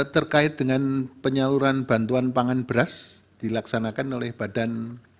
terkait dengan penyaluran bantuan pangan beras dilaksanakan oleh badan